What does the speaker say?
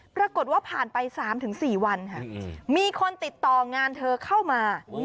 ปรากฏว่าผ่านไป๓๔วันค่ะมีคนติดต่องานเธอเข้ามา